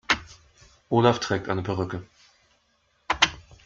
Olaf trägt eine Perücke.